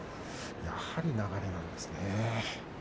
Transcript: やはり流れなんですね。